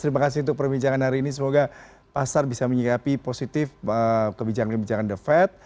terima kasih untuk perbincangan hari ini semoga pasar bisa menyikapi positif kebijakan kebijakan the fed